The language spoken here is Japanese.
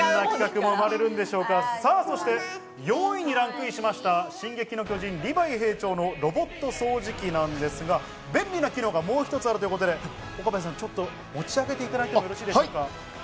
そして４位にランクインしました『進撃の巨人』のリヴァイ兵長のロボット掃除機なんですが便利な機能がもう一つあるということで、岡部さん、ちょっと持ち上げていただいてもよろしいですか？